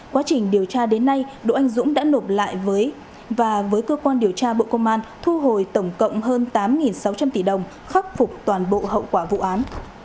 quá trình điều tra đến nay đỗ anh dũng đã nộp lại và với cơ quan điều tra bộ công an thu hồi tổng cộng hơn tám sáu trăm linh tỷ đồng khắc phục toàn bộ hậu quả vụ án